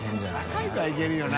若い子はいけるよな。